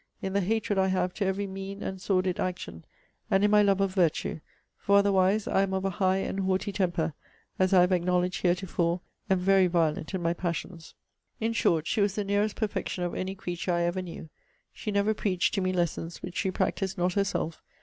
in the hatred I have to every mean and sordid action; and in my love of virtue; for, otherwise, I am of a high and haughty temper, as I have acknowledged heretofore, and very violent in my passions. In short, she was the nearest perfection of any creature I ever knew. She never preached to me lessons which she practised not herself.